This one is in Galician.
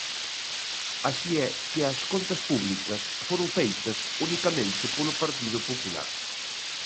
Así é que as contas públicas foron feitas unicamente polo Partido Popular.